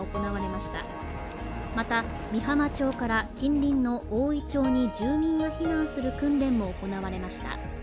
また美浜町から近隣のおおい町に住民が避難する訓練も行われました。